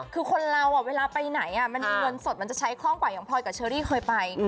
คือคนเราเวลาไปไหนมันมีเงินสดมันจะใช้คล่องกว่าอย่างพลอยกับเชอรี่เคยไป